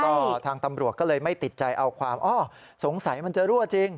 ก็ทางตำรวจก็เลยไม่ติดใจเอาความอ้อสงสัยมันจะรั่วจริง